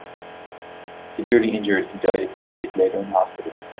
Severely injured, he died a few days later in hospital.